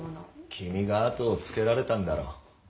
君が後をつけられたんだろう。